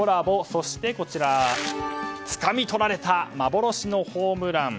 そして、つかみとられた幻のホームラン。